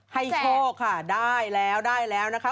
ให้โชคค่ะได้แล้วนะครับใช่